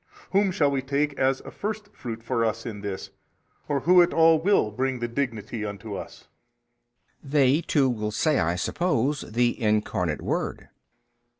whom shall we take as a first fruit for us in this, or who at all will bring the Dignity unto us? B. They too will say, I suppose, The Incarnate Word.